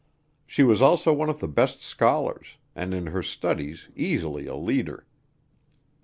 She was also one of the best scholars, and in her studies easily a leader.